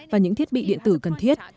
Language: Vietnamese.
và những thiết bị điện tử cần thiết